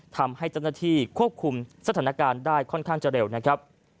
ทำให้เจ้าหน้าที่ควบคุมสถานการณ์ได้ค่อนข้างจะเร็วนะครับ